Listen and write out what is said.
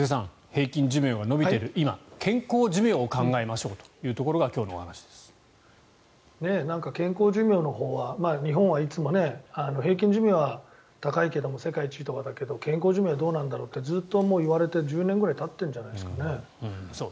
平均寿命が延びている今健康寿命を考えましょうというところが健康寿命のほうは日本はいつも平均寿命は高いけども世界一とかだけど健康寿命はどうなんだろうってずっと言われて、１０年ぐらいたってるんじゃないですかね。